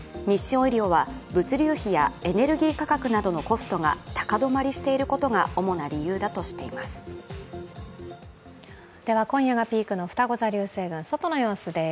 オイリオは物流費やエネルギー価格などのコストが高止まりしていることが主な理由だとしています。